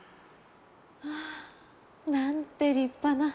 まあなんて立派な。